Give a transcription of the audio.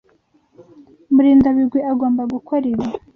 Murindabigwi agomba gukora ibi?